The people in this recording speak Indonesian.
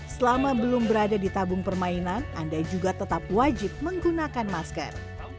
selama belum berada di tabung permainan anda juga tetap wajib menggunakan masker